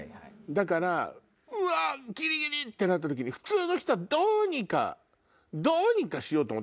だから「わっギリギリ！」ってなった時に普通の人はどうにかどうにかしようと思う。